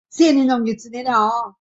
密叶杨为杨柳科杨属的植物。